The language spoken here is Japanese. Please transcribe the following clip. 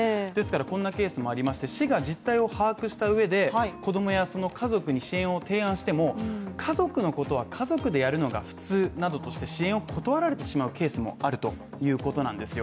こんなケースもありまして市が実態を把握したうえで子供やその家族に支援を提案しても、家族のことは家族でやるのが普通などとして支援を断られてしまうケースもあるということなんですよ。